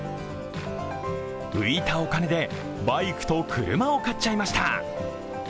浮いたお金でバイクと車を買っちゃいました。